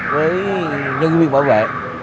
với nhân viên bảo vệ